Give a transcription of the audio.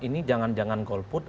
ini jangan jangan golput